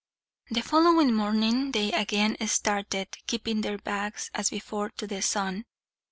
The following morning they again started, keeping their backs, as before, to the sun.